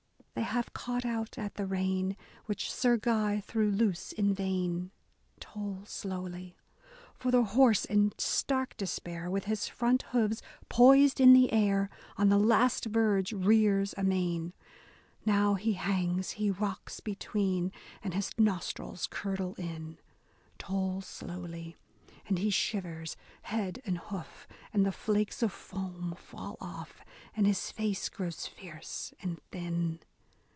They have caught out at the rein, which Sir Guy threw loose — in vain,— Toll slowly. For the horse in stark despair, with his front hoofs poised in the air. On the last verge rears amain. Now he hangs, he rocks between, and his nosfrils curdle in !— Toll slowly. And he shivers head and hoof — and the flakes of foam fall off", And his face grows fierce and thin.